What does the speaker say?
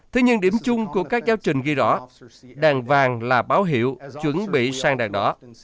thế nhưng điểm chung của các cháo trình ghi rõ đèn vàng là báo hiệu chuẩn bị sang đèn đỏ